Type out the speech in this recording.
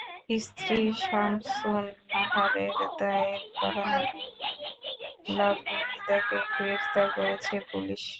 স্ত্রী সামসুন নাহারের দায়ের করা মামলায় লাবলু মৃধাকে গ্রেপ্তার করেছে পুলিশ।